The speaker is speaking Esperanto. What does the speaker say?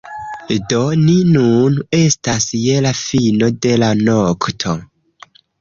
Do, ni nun estas je la fino de la nokto